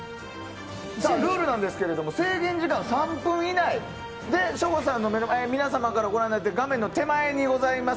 ルールなんですけど制限時間３分以内で皆さんがご覧になっている画面の手前にございます